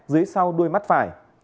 dưới sau đuôi mắt phải